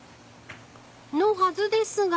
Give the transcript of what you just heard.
［のはずですが］